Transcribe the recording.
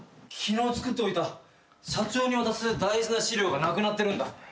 昨日作っておいた社長に渡す大事な資料がなくなってるんだ。